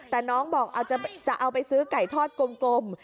แต่น้องบอกจะเอาไปซื้อไก่ทอดกลม